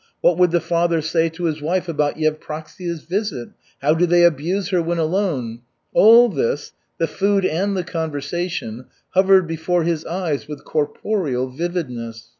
What would the Father say to his wife about Yevpraksia's visit? How do they abuse her when alone? All this, the food and the conversation, hovered before his eyes with corporeal vividness.